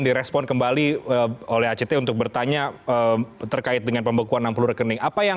jadi respon kembali oleh act untuk bertanya terkait dengan pembekuan enam puluh rekening